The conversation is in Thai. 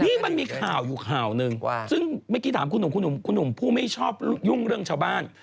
นี่มันมีข่าวอยู่ข่าวหนึ่งซึ่งเมื่อกี้ถามคุณหนุ่มคุณหนุ่มคุณหนุ่มผู้ไม่ชอบยุ่งเรื่องชาวบ้าน